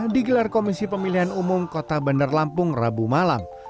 digelar komisi pemilihan umum kota bandar lampung rabu malam